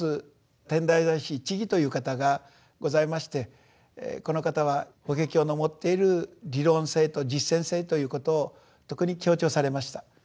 天台大師智という方がございましてこの方は法華経の持っている理論性と実践性ということを特に強調されました。